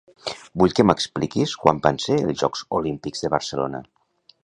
Vull que m'expliquis quan van ser els Jocs Olímpics de Barcelona.